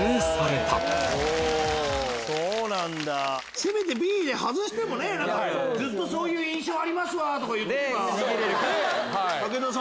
せめてＢで外しても「ずっとそういう印象ありますわ」とか言っとけば。